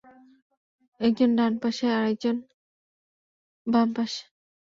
একজন ডান পাশে, আরেক জন বাম পাশে।